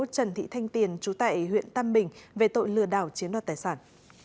trần thị thanh tiền chú tại huyện tam bình về tội lừa đảo chiến đoạt tài sản